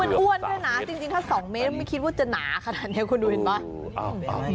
คือมันอ้วนก็หนาจริงถ้า๒เมตรไม่คิดว่าจะหนาขนาดนี้คุณดูได้มั้ย